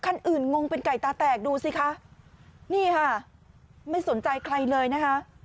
คันอื่นงงเป็นไก่ตาแตกดูสิคะนี่ค่ะไม่สนใจใครเลยนะคะ